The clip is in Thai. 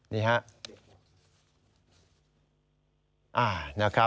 นี่ฮะ